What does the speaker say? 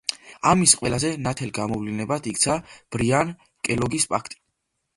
ამის ყველაზე ნათელ გამოვლინებად იქცა ბრიან–კელოგის პაქტი.